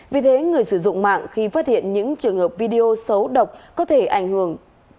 vì thế người sử dụng mạng khi phát hiện những trường hợp video xấu độc có thể ảnh hưởng